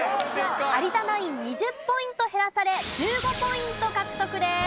有田ナイン２０ポイント減らされ１５ポイント獲得です。